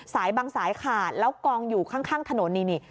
บางสายขาดแล้วกองอยู่ข้างถนนนี่